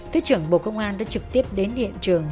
thứ trưởng bộ công an đã trực tiếp đến hiện trường